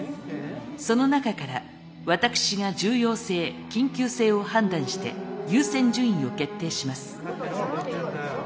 その中から私が重要性緊急性を判断して優先順位を決定します。